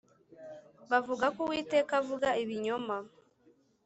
bavugako uwiteka avuga ibinyoma